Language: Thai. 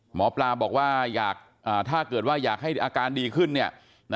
หมอปลาบอกว่าอยากถ้าเกิดให้อาการดีขึ้นเนี่ย